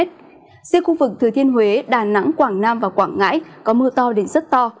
riêng khu vực thừa thiên huế đà nẵng quảng nam và quảng ngãi có mưa to đến rất to